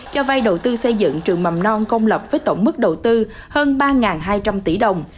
cho vay đầu tư xây dựng trường mầm non công lập với tổng mức đầu tư hơn ba hai trăm linh tỷ đồng